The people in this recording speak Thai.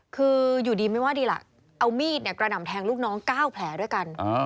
คืออยู่ดีไม่ว่าดีล่ะเอามีดกระหน่ำแทงลูกน้อง๙แผลด้วยกัน